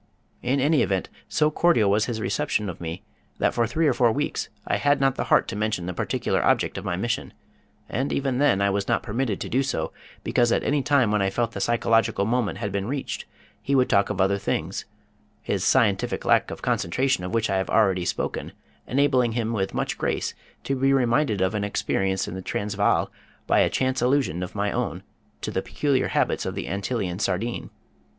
In any event, so cordial was his reception of me that for three or four weeks I had not the heart to mention the particular object of my mission, and even then I was not permitted to do so because at any time when I felt that the psychological moment had been reached he would talk of other things, his scientific lack of concentration of which I have already spoken enabling him with much grace to be reminded of an experience in the Transvaal by a chance allusion of my own to the peculiar habits of the Antillean Sardine.